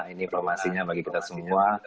ini informasinya bagi kita semua